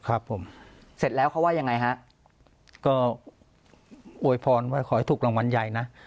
ครับผมเสร็จแล้วเขาว่ายังไงฮะก็อวยพรว่าขอให้ถูกรางวัลใหญ่นะ